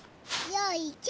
よいしょ。